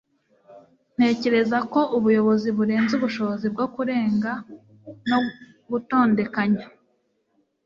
ntekereza ko ubuyobozi burenze ubushobozi bwo kurenga t no gutondekanya i